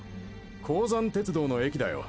鉱山鉄道の駅だよ。